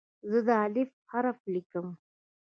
زه د "الف" حرف لیکم.